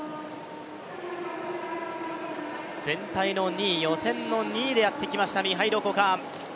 全体の２位、予選の２位でやってきました、ミハイロ・コカーン。